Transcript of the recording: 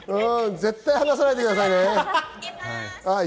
絶対離さないでくださいね。